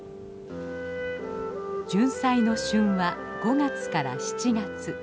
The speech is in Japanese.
ジュンサイの旬は５月から７月。